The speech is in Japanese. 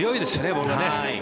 ボールがね。